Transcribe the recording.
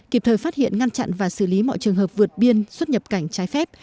kịp thời phát hiện ngăn chặn và xử lý mọi trường hợp vượt biên xuất nhập cảnh trái phép